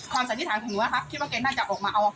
ความสันนิษฐานของหนูค่ะคิดว่าแกน่าจะออกมาเอา